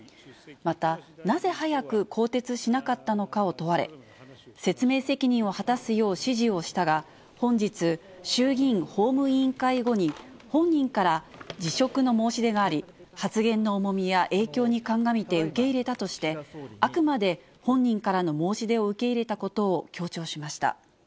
また、なぜ早く更迭しなかったのかを問われ、説明責任を果たすよう指示をしたが、本日、衆議院法務委員会後に、本人から辞職の申し出があり、発言の重みや影響に鑑みて受け入れたとして、あくまで本人からの申し出を受け入れたことを強調しました。